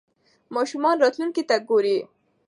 ماشومان راتلونکې ته ګوري.